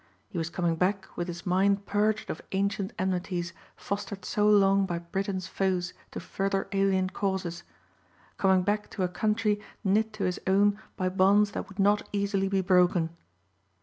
He was coming back with his mind purged of ancient enmities fostered so long by Britain's foes to further alien causes; coming back to a country knit to his own by bonds that would not easily be broken.